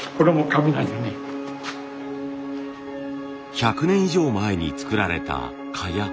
１００年以上前に作られた蚊帳。